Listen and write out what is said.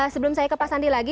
sebelum saya ke pak sandi lagi